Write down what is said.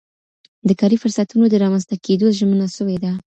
د کاري فرصتونو د رامنځته کيدو ژمنه سوي ده.